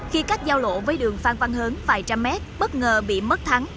khi cách giao lộ với đường phan văn hớn vài trăm mét bất ngờ bị mất thắng